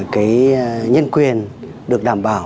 cái nhân quyền được đảm bảo